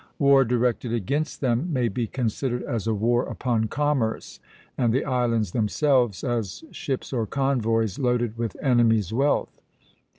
War directed against them may be considered as a war upon commerce, and the islands themselves as ships or convoys loaded with enemy's wealth.